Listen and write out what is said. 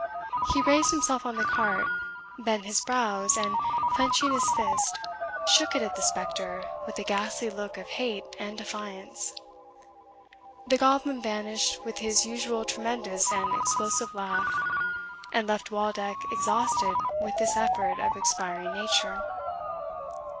He raised himself on the cart, bent his brows, and, clenching his fist, shook it at the spectre with a ghastly look of hate and defiance. The goblin vanished with his usual tremendous and explosive laugh, and left Waldeck exhausted with this effort of expiring nature.